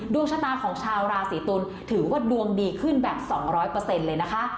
ดวงชะตาของชาวราศีธนูถือว่าดวงดีขึ้นแบบสองร้อยเปอร์เซ็นต์เลยนะคะ